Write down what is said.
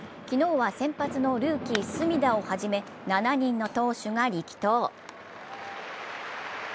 昨日は先発のルーキー・隅田をはじめ７人の投手が力投。